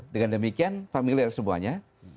dengan demikian familiar semuanya